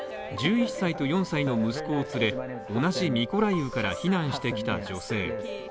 １１歳と４歳の息子を連れ同じミコライウから避難してきた女性。